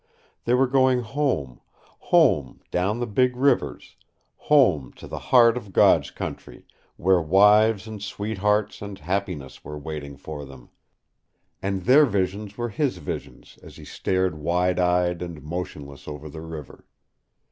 They were going home home down the big rivers, home to the heart of God's Country, where wives and sweethearts and happiness were waiting for them, and their visions were his visions as he stared wide eyed and motionless over the river.